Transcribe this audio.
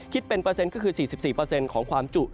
คิดเป็นเปอร์เซ็นต์ก็คือ๔๔ของความจุ